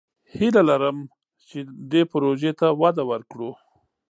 هیله لرم چې دې پروژې ته وده ورکړو.